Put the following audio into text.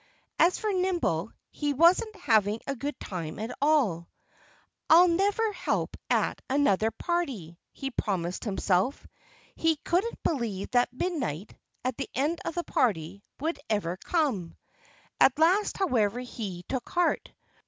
As for Nimble, he wasn't having a good time at all. "I'll never help at another party!" he promised himself. He couldn't believe that midnight and the end of the party would ever come. At last, however, he took heart.